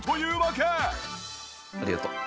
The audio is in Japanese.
ありがとう。